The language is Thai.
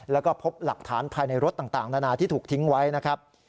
แล้วก็พบหลักฐานภายในรถต่างนานาที่ถูกทิ้งไว้นะครับ